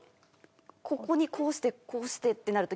ここにこうしてこうしてってなると。